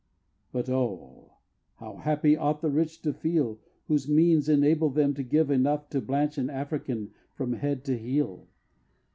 But oh! how happy ought the rich to feel, Whose means enable them to give enough To blanch an African from head to heel!